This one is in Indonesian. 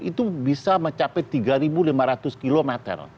itu bisa mencapai tiga lima ratus km